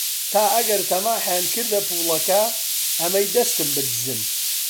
تا ئەگەر تەماحیان کردە پووڵەکە، ئەمەی دەستم بدزن